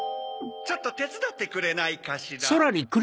ちょっとてつだってくれないかしら？